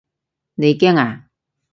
你驚啊？